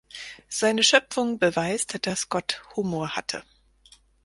Seine Schöpfung beweist, dass Gott Humor hatte.